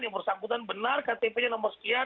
yang bersangkutan benar ktp nya nomor sekian